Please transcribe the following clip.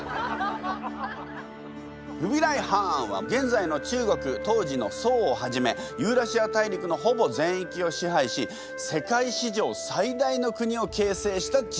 フビライ・ハーンは現在の中国当時の宋をはじめユーラシア大陸のほぼ全域を支配し世界史上最大の国を形成した人物。